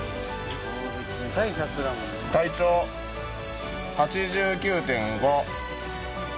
体長８９．５。